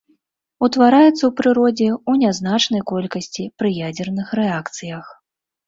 Утвараецца ў прыродзе ў нязначнай колькасці пры ядзерных рэакцыях.